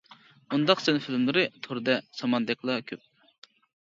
ئۇنداق سىن فىلىملىرى توردا ساماندەكلا كۆپ.